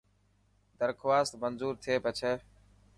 درخواست منظور ٿي پڇي.